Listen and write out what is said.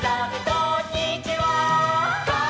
「こんにちは」